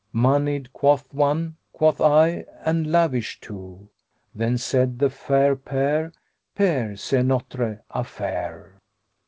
'Money'd?' quoth one: quoth I, 'And lavish too;' * Then said the fair pair, 'Pere, c'est notre affaire.'"